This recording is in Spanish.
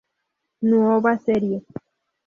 Nuova serie".